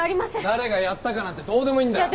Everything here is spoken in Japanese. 誰がやったかなんてどうでもいいんだよ。